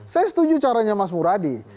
saya setuju caranya mas muradi